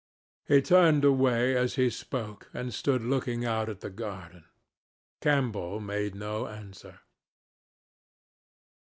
He turned away as he spoke and stood looking out at the garden. Campbell made no answer.